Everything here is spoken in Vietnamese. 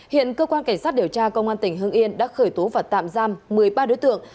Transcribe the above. hiện cơ quan cảnh sát điều tra công an tỉnh hưng yên đã khởi tố và tạm giam một mươi ba đối tượng